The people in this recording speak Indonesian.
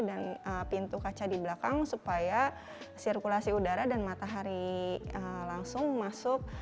dan pintu kaca di belakang supaya sirkulasi udara dan matahari langsung masuk